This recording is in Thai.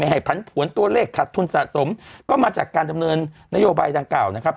ให้ผันผวนตัวเลขขาดทุนสะสมก็มาจากการดำเนินนโยบายดังกล่าวนะครับ